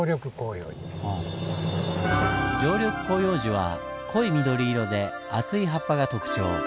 常緑広葉樹は濃い緑色で厚い葉っぱが特徴。